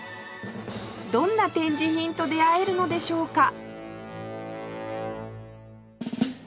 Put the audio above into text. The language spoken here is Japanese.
どんな展示品と出会えるのでしょうか？